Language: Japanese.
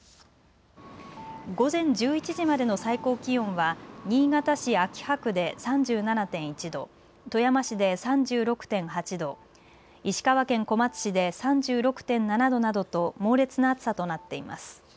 午前１１時までの最高気温は新潟市秋葉区で３７．１度、富山市で３６．８度、石川県小松市で３６．７度などと猛烈な暑さとなっています。